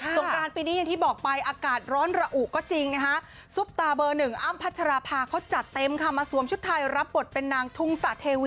สงกรานปีนี้อย่างที่บอกไปอากาศร้อนระอุก็จริงนะคะซุปตาเบอร์๑อ้ำพัชยภาพเขาจัดเต็มคามาสวมชุดทรายรับบทเป็นนางทุงศ